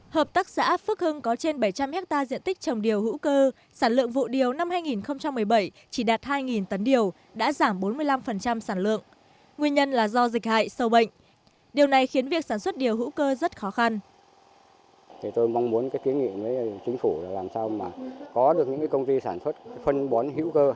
hợp tác giã phước hưng có trên bảy trăm linh ha diện tích trồng điều hữu cơ sản lượng vụ điều năm hai nghìn một mươi bảy chỉ đạt hai tấn điều